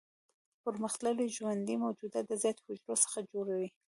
پرمختللي ژوندي موجودات د زیاتو حجرو څخه جوړ وي.